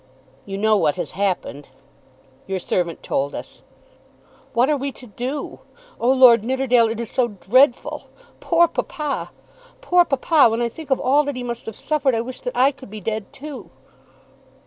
"You know what has happened?" "Your servant told us." "What are we to do? Oh, Lord Nidderdale, it is so dreadful! Poor papa! Poor papa! When I think of all that he must have suffered I wish that I could be dead too."